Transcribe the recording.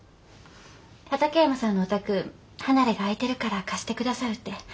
畠山さんのお宅離れが空いてるから貸して下さるって。